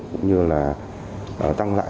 cũng như là tăng lại